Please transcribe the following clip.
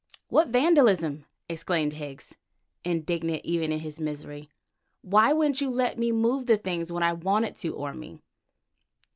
"What vandalism!" exclaimed Higgs, indignant even in his misery. "Why wouldn't you let me move the things when I wanted to, Orme?"